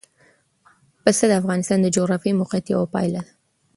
پسه د افغانستان د جغرافیایي موقیعت یوه پایله ده.